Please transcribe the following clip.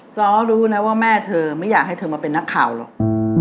ซ้อรู้นะว่าแม่เธอไม่อยากให้เธอมาเป็นนักข่าวหรอก